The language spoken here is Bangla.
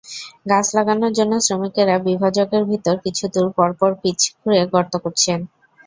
গাছ লাগানোর জন্য শ্রমিকেরা বিভাজকের ভেতরে কিছুদূর পরপর পিচ খুঁড়ে গর্ত করছেন।